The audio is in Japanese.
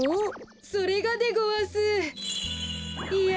それがでごわすいや